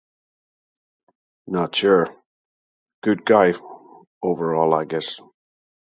Not sure. Good guy overall I guess.